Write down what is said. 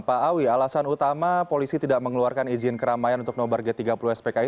pak awi alasan utama polisi tidak mengeluarkan izin keramaian untuk nobar g tiga puluh spki